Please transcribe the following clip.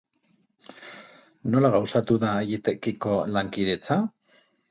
Nola gauzatu da haiekiko lankidetza?